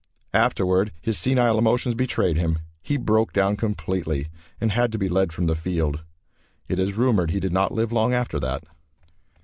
Afterward, his senile emotions betraying him, he broke down completely and had to be led from the field. It is rumored he did not live long after that.